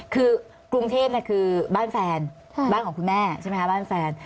คือกรุงเทพคือบ้านแฟนบ้านของคุณแม่ใช่ไหมคะบ้านแฟน